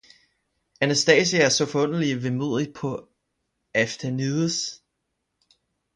Anastasia så forunderlig vemodigt på Aphtanides.